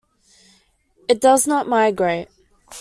It does not migrate.